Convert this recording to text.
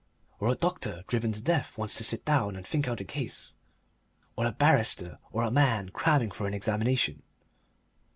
"Or a doctor, driven to death, wants to sit down and think out a case. Or a barrister or a man cramming for an examination."